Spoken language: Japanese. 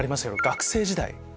学生時代